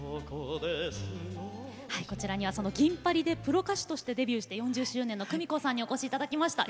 はいこちらにはその銀巴里でプロ歌手としてデビューして４０周年のクミコさんにお越し頂きました。